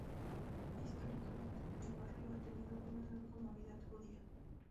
Históricamente el barrio ha tenido una gran comunidad judía.